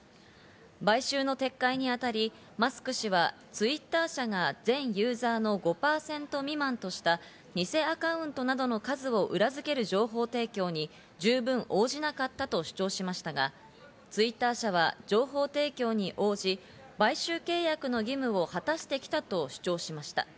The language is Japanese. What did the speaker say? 買収の撤回にあたり、マスク氏はＴｗｉｔｔｅｒ社が全ユーザーの５％未満とした偽アカウントなどの数を裏付ける情報提供に十分応じなかったと主張しましたがＴｗｉｔｔｅｒ社は情報提供に応じ、買収契約の義務を果たしてきたと主張しました。